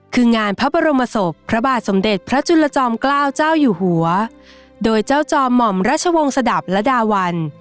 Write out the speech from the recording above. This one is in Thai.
คืองานพระบรมศพพระบาทสมเด็จพระจุลจอมเกล้าเจ้าอยู่หัวโดยเจ้าจอมหม่อมราชวงศดับระดาวัน